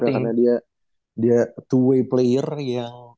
karena dia dua way player yang